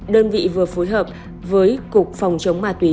đơn vị vừa phối hợp với cục phòng chống ma túy